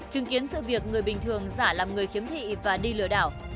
chứng kiến sự việc người bình thường giả làm người khiếm thị và đi lừa đảo